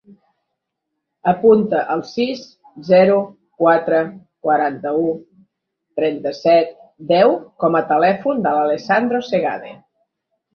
Apunta el sis, zero, quatre, quaranta-u, trenta-set, deu com a telèfon de l'Alessandro Segade.